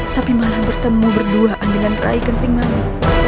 tapi malah bertemu berduaan dengan rai kenting mani